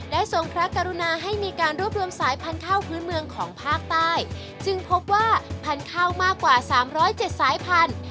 และทรงพระกรุณาให้มีการรวบรวมสายพันธุ์ข้าวพื้นเมืองของภาคใต้จึงพบว่าพันธุ์ข้าวมากกว่าสามร้อยเจ็ดสายพันธุ